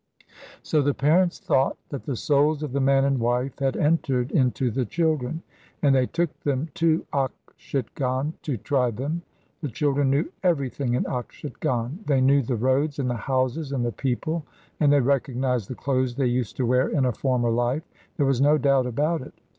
So the parents thought that the souls of the man and wife had entered into the children, and they took them to Okshitgon to try them. The children knew everything in Okshitgon; they knew the roads and the houses and the people, and they recognised the clothes they used to wear in a former life; there was no doubt about it.